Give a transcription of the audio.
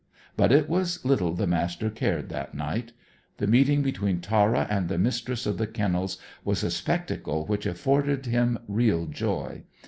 But it was little the Master cared that night. The meeting between Tara and the Mistress of the Kennels was a spectacle which afforded him real joy.